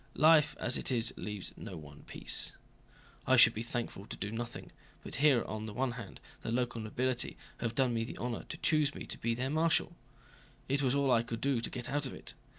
"Life as it is leaves one no peace. I should be thankful to do nothing, but here on the one hand the local nobility have done me the honor to choose me to be their marshal; it was all I could do to get out of it.